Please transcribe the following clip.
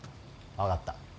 分かった。